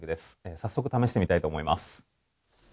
早速、試してみたいと思います。